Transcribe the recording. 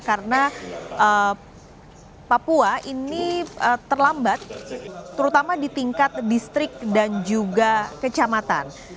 karena papua ini terlambat terutama di tingkat distrik dan juga kecamatan